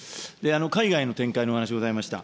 海外の展開のお話、ございました。